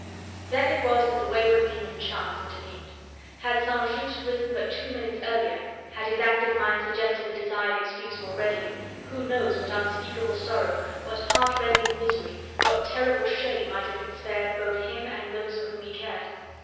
Then it was that the wayward demon Chance intervened. Had St. Just risen but two minutes earlier, had his active mind suggested the desired excuse more readily, who knows what unspeakable sorrow, what heartrending misery, what terrible shame might have been spared both him and those for whom he cared?